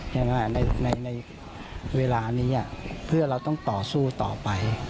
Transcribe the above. ยังไงในเวลานี้เพื่อเราต้องต่อสู้ต่อไป